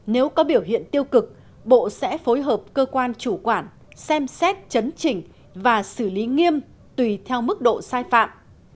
nếu có biểu hiện tiêu cực bộ sẽ phối hợp cơ quan chủ quản xem xét chấn chỉnh và xử lý nghiêm tùy theo mức độ sai phạm